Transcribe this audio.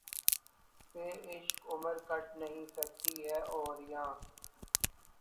بے عشق عمر کٹ نہیں سکتی ہے‘ اور یاں